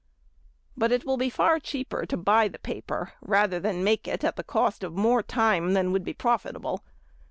But it will be far cheaper to buy the paper, rather than make it at the cost of more time than will be profitable.